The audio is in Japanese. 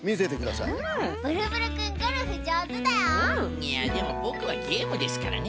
いやでもボクはゲームですからね。